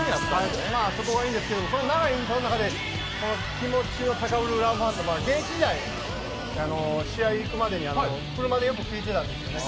そこがいいんですけど、その長いイントロの中で気持ちが高ぶる「ＬＯＶＥＰＨＡＮＴＯＭ」は現役時代、試合行くまでに車でよく聞いてたんですね。